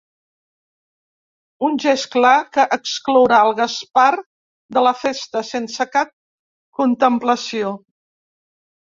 Un gest clar que exclourà el Gaspar de la festa sense cap contemplació.